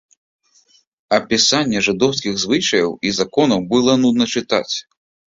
Апісанне жыдоўскіх звычаяў і законаў было нудна чытаць.